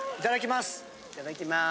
いただきます。